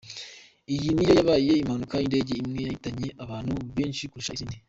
Iyi ni yo yabaye impanuka yindege imwe yahitanye abantu benshi kurusha izindi.